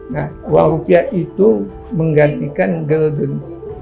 nah uang rupiah itu menggantikan goldence